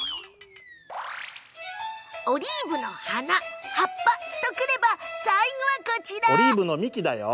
オリーブの花、葉っぱとくれば最後は、こちらよ。